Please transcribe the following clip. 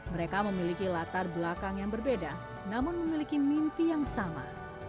mereka memiliki latar belakang yang berbeda namun memiliki mimpi yang sama